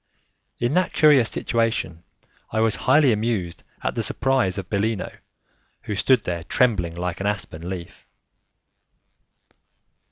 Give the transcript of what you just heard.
In that curious situation, I was highly amused at the surprise of Bellino, who stood there trembling like an aspen leaf.